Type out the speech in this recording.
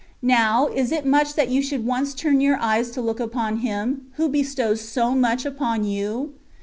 Now, is it much that you should once turn your eyes to look upon Him, who bestows so much upon you?